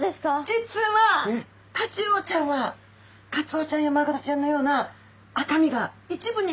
実はタチウオちゃんはカツオちゃんやマグロちゃんのような一部に。